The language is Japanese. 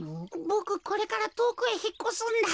ボクこれからとおくへひっこすんだ。